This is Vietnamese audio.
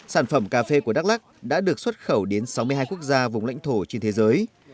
sản phẩm cà phê của đắk lắc đã được xuất khẩu đến sáu mươi hai quốc gia vùng lãnh thổ trên thế giới